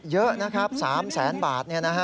เยอะนะครับ๓แสนบาท